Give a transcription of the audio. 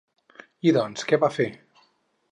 I doncs, què va fer?